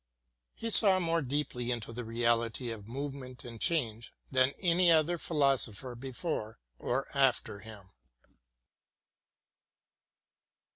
He saw more deeply into the reality of movement and change than any other philosopher be fore or after him.